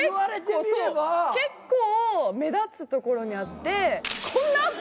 結構目立つ所にあって。